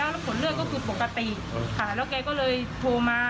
แล้วผลเลือดก็คือปกติค่ะแล้วแกก็เลยโทรมา